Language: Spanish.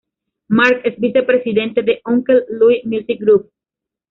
Mark es Vice-Presidente de Uncle Louie Music Group.